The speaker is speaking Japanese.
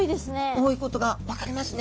多いことが分かりますね。